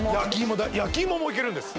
焼きいももいけるんです